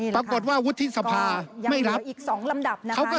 ปรากฏว่าวุฒิสภาไม่รับเขาก็เสนอมาใหม่